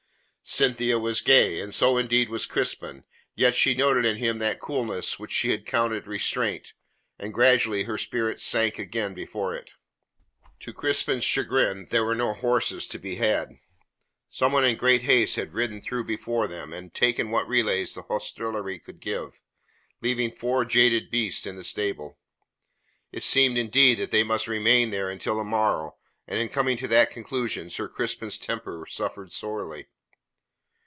Cynthia was gay, and so indeed was Crispin, yet she noted in him that coolness which she accounted restraint, and gradually her spirits sank again before it. To Crispin's chagrin there were no horses to be had. Someone in great haste had ridden through before them, and taken what relays the hostelry could give, leaving four jaded beasts in the stable. It seemed, indeed, that they must remain there until the morrow, and in coming to that conclusion, Sir Crispin's temper suffered sorely.